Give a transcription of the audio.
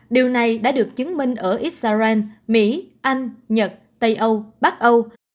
điều này đã được chứng minh ở israel mỹ anh nhật tây âu bắc âu